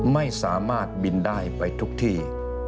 ไม่สามารถบินได้ไปทุกที่